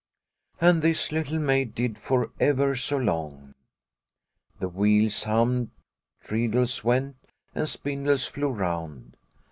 And this Little Maid did for ever so long. The wheels hummed, treadles went, and spindles flew round.